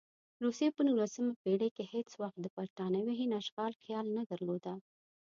روسیې په نولسمه پېړۍ کې هېڅ وخت د برټانوي هند اشغال خیال نه درلود.